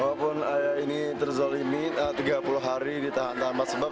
walaupun ayah ini terzalimi tiga puluh hari ditahan empat sebab